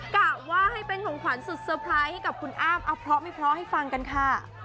กะว่าให้เป็นของขวัญสุดเตอร์ไพรส์ให้กับคุณอ้ามเอาเพราะไม่เพราะให้ฟังกันค่ะ